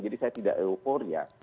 jadi saya tidak efor ya